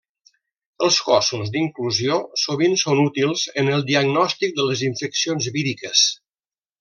Els cossos d'inclusió sovint són útils en el diagnòstic de les infeccions víriques.